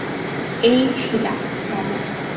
এই শীলা, রামু।